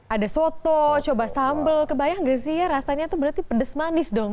ada soto coba sambal kebayang gak sih ya rasanya tuh berarti pedes manis dong